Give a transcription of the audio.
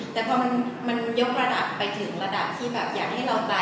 แต่พอมันยกระดับไปถึงระดับที่แบบอยากให้เราตาย